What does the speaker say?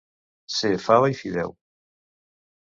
Ser fava i fideu.